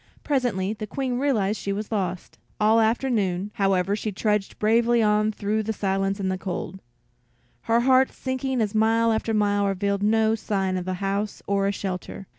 Presently the Queen realized that she was lost. All afternoon, however, she trudged bravely on through the silence and the cold, her heart sinking as mile after mile revealed no sign of a house or a shelter.